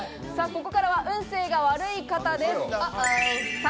ここからは運勢が悪い方です。